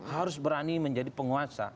harus berani menjadi penguasa